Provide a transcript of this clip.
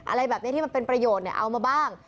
อะไรแบบนี้ที่มันเป็นประโยชน์เอามาบ้าง